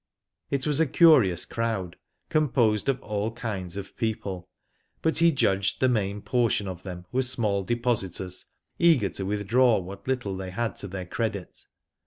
It was a curious crowd, composed of all kinds of people,* but he judged the main portion of them were small depositors, eager to withdraw what little they had to their credit.